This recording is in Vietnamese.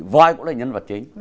voi cũng là nhân vật chính